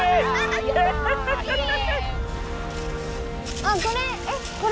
あっこれ。